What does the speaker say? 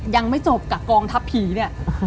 ยังไม่จบกับกองทัพผีเนี่ย